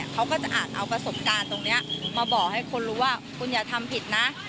เขาก็จะอาจเอาประสบการณ์ตรงนี้มาบอกให้คนรู้ว่าคุณอย่าทำผิดนะ